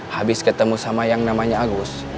habis ketemu sama yang namanya agus